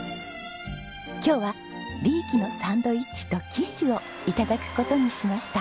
今日はリーキのサンドイッチとキッシュを頂く事にしました。